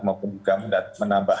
maupun juga mendatang menambah